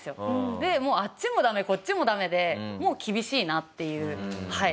でもうあっちもダメこっちもダメでもう厳しいなっていうはい。